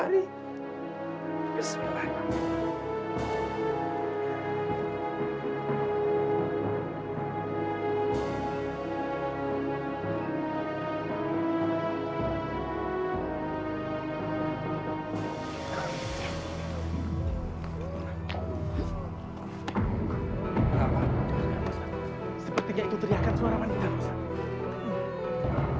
tidak pak ustaz sepertinya itu teriakan suara wanita pak ustaz